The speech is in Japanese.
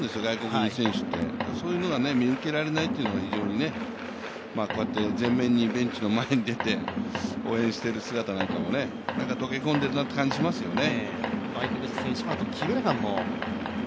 外国人選手って、そういうのが見受けられないというのがこうやって前面に、ベンチの前に出て応援している姿も溶け込んでいるなという感じがしますよね。